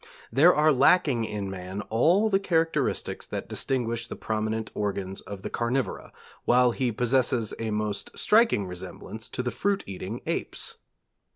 There are lacking in man all the characteristics that distinguish the prominent organs of the carnivora, while he possesses a most striking resemblance to the fruit eating apes.